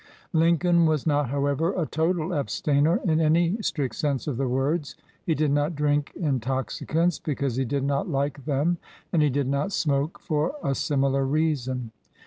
Lincoln was not, however, a total abstainer in any strict sense of the words. He did not drink intoxicants because he did not like them, and he did not smoke for a similar reason.